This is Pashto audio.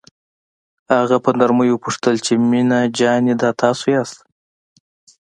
هغه په نرمۍ وپوښتل چې مينه جانې دا تاسو یاست.